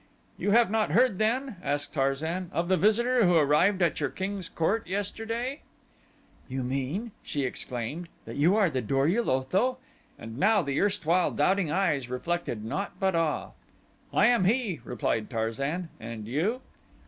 "You have not heard then," asked Tarzan, "of the visitor who arrived at your king's court yesterday?" "You mean," she exclaimed, "that you are the Dor ul Otho?" And now the erstwhile doubting eyes reflected naught but awe. "I am he," replied Tarzan; "and you?"